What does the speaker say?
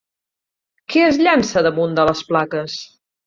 Què es llança damunt de les plaques?